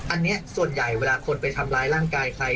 อันนี้ส่วนใหญ่เวลาคนไปทำร้ายร่างกายใคร